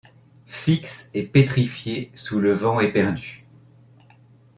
Fixe et pétrifié sous le vent éperdu